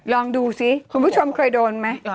ลองดูซิคุณผู้ชมเคยโดนไหม